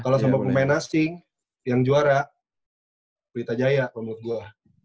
kalau sama pemain asing yang juara pelita jaya menurut gue